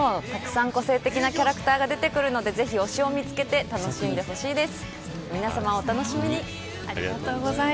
他にもたくさんの個性的なキャラクターが出てくるので推しを見つけて楽しんでほしいです。